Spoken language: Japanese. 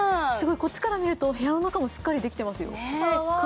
こっちから見ると部屋の中もしっかりできてますよ。